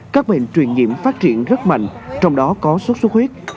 các bệnh truyền nhiễm phát triển rất mạnh trong đó có sốt xuất huyết